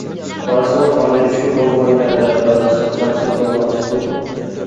بالىسىنىڭ ھالى شۇ بولغان يەردە دادىسى قانچىلىك بولماقچىدى.